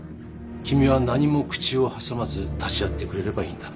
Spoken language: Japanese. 君は何も口を挟まず立ち会ってくれればいいんだ。